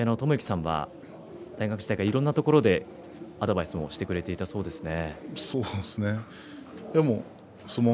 特に父親の知幸さんは大学時代からいろんなところでアドバイスをしてくれていたそうですね。